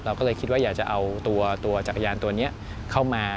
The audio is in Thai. ก็เลยคิดว่าอยากจะเอาตัวจักรยานตัวนี้เข้ามา